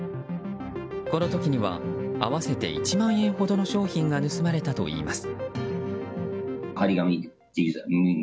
この時には合わせて１万円ほどの商品が盗まれたといいます。